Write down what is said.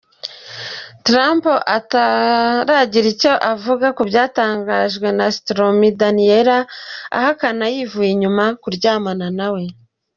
Trump utaragira icyo avuga ku byatangajwe na Stormy Daniels, ahakana yivuye inyuma kuryamana nawe.